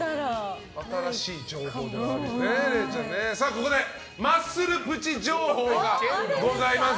ここでマッスルプチ情報がございます。